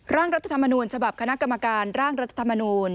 ร่างรัฐธรรมนูญฉบับคณะกรรมการร่างรัฐธรรมนูล